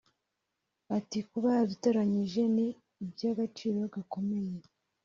Ati" Kuba yaradutoranyije ni iby’agaciro gakomeye